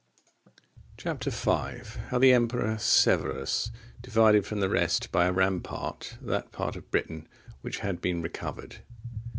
Chap. V. How the Emperor Severus divided from the rest by a rampart that part of Britain which had been recovered.